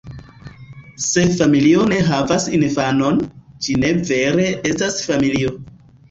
Se familio ne havas infanon, ĝi ne vere estas familio.